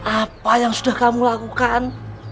apa yang sudah kamu lakukan